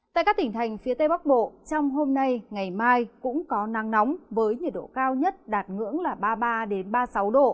tại các tỉnh thành phía tây bắc bộ trong hôm nay ngày mai cũng có nắng nóng với nhiệt độ cao nhất đạt ngưỡng là ba mươi ba ba mươi sáu độ